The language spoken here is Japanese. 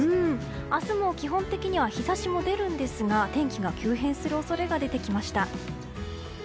明日も基本的には日差しも出るんですが天気が急変する恐れが出てきました。